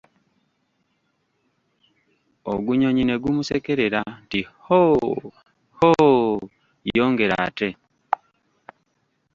Ogunyonyi ne gumusekerera nti Hoo, hoo, yongera ate!